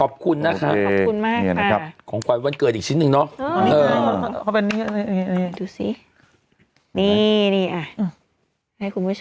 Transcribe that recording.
ขอบคุณภรรย์ค่ะของความวันเกิดอีกชิ้นนึงเนอะ